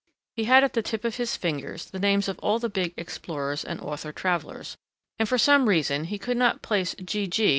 He had at the tip of his fingers the names of all the big explorers and author travellers, and for some reason he could not place "G. G."